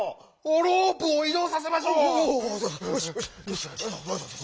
ロープをいどうさせましょう！